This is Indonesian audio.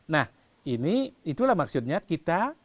nah itulah maksudnya kita